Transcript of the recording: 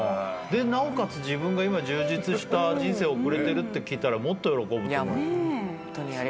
でなおかつ自分が今充実した人生送れてるって聞いたらもっと喜ぶと思う。